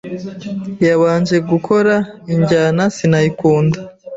yabanje gukora injyana sinayikunda